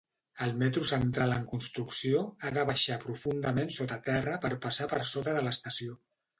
El metro central en construcció ha de baixar profundament sota terra per passar per sota de l'estació.